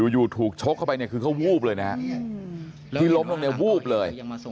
อยู่ถูกชกเข้าไปเนี่ยคือเขาวูบเลยนะฮะที่ล้มลงเนี่ยวูบเลย